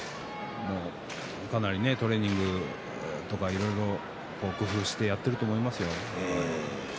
かなりトレーニングとかいろいろ工夫してやっていると思いますよ。